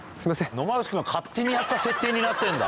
野間口君が勝手にやった設定になってんだ。